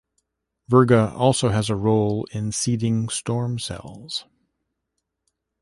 Virga also has a role in seeding storm cells.